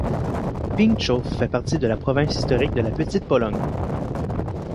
Pińczów fait partie de la province historique de la Petite-Pologne.